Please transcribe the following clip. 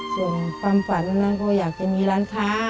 ส่วนความฝันอันนั้นก็อยากจะมีร้านค้า